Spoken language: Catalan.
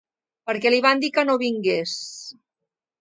Perquè li van dir que no vingués.